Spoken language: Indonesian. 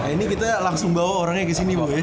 ini kita langsung bawa orangnya kesini